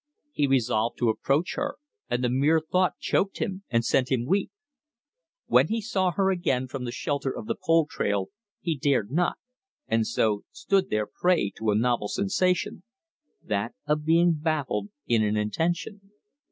He resolved to approach her, and the mere thought choked him and sent him weak. When he saw her again from the shelter of the pole trail, he dared not, and so stood there prey to a novel sensation, that of being baffled in an intention.